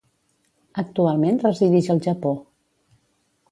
Actualment residix al Japó.